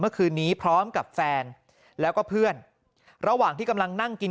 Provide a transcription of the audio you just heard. เมื่อคืนนี้พร้อมกับแฟนแล้วก็เพื่อนระหว่างที่กำลังนั่งกิน